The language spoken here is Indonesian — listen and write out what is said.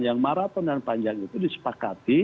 yang maraton dan panjang itu disepakati